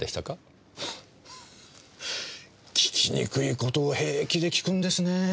フフ訊きにくい事を平気で訊くんですねぇ。